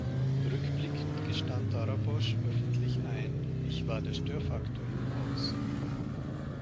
Rückblickend gestand Darabos öffentlich ein: „Ich war der Störfaktor im Haus“.